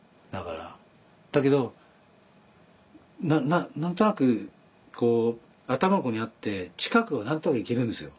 だけど何となくこう頭ここにあって近くは何となくいけるんですよ。